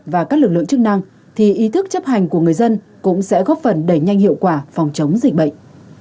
và các lực lượng chức năng thì ý thức chấp hành của người dân cũng sẽ góp phần đẩy nhanh hiệu quả phòng chống dịch bệnh